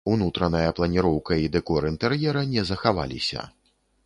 Унутраная планіроўка і дэкор інтэр'ера не захаваліся.